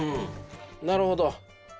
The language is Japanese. なるほど。